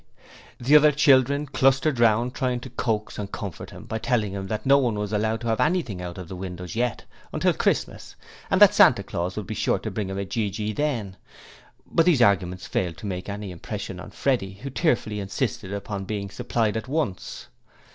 The other children clustered round trying to coax and comfort him by telling him that no one was allowed to have anything out of the windows yet until Christmas and that Santa Claus would be sure to bring him a gee gee then; but these arguments failed to make any impression on Freddie, who tearfully insisted upon being supplied at once.